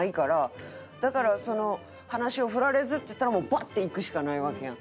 だから話を振られずっていったらバッていくしかないわけやん。